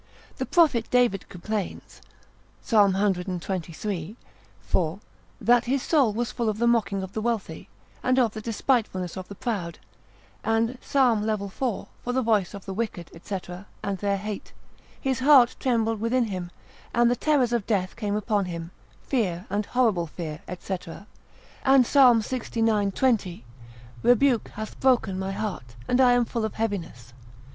The prophet David complains, Psalm cxxiii. 4. that his soul was full of the mocking of the wealthy, and of the despitefulness of the proud, and Psalm lv. 4. for the voice of the wicked, &c., and their hate: his heart trembled within him, and the terrors of death came upon him; fear and horrible fear, &c., and Psal. lxix. 20. Rebuke hath broken my heart, and I am full of heaviness.